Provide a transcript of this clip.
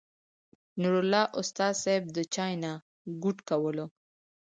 نور الله استاذ صېب د چاے نه ګوټ کولو